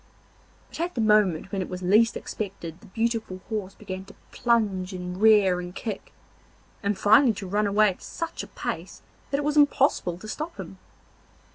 But at the moment when it was least expected the beautiful horse began to plunge and rear and kick, and finally to run away at such a pace that it was impossible to stop him.